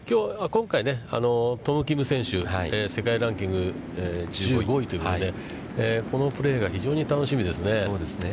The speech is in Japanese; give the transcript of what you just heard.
今回、トム・キム選手、世界ランキング１５位ということで、このプレーが非常に楽しみですね。